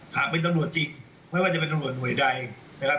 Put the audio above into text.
หากเป็นตำรวจจริงไม่ว่าจะเป็นตำรวจหน่วยใดนะครับ